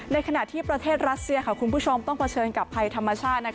ในขณะที่ประเทศรัสเซียคุณผู้ชมต้องเผชิญกับภัยธรรมชาติ